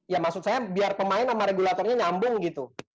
ya maksud saya biar pemain sama regulatornya nyambung gitu